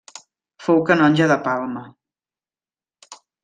Fou canonge de Palma.